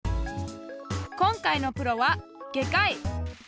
今回のプロは外科医。